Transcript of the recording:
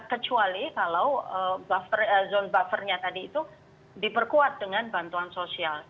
kecuali kalau buffer zone buffernya tadi itu diperkuat dengan bantuan sosial